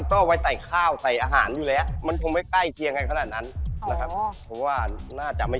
ใช่เพราะหน้าตามันเหมือนกันไง